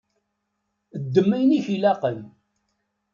Ddem ayen i k-ilaqen.